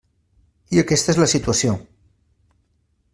I aquesta és la situació.